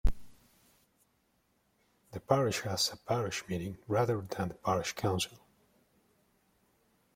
The parish has a parish meeting rather than a parish council.